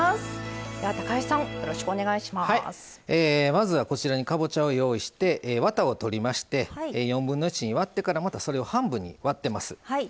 まずはこちらにかぼちゃを用意してワタを取りまして４分の１に割ってからまたそれを半分に割ってます。